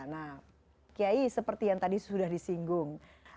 nah kiai seperti yang tadi sudah disinggung